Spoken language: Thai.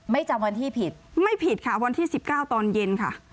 ไม่จำวันที่ผิดไม่ผิดค่ะวันที่๑๙ตอนเย็นค่ะ